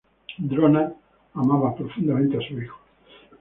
Drona amaba profundamente a su hijo.